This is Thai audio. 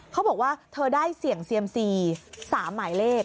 เขาบอกว่าเธอได้เสี่ยงเซียมซี๓หมายเลข